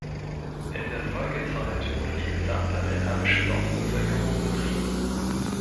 In der Folgezeit wurde die gesamte einheimische Dorfbevölkerung vertrieben.